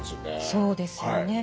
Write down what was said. そうですよね。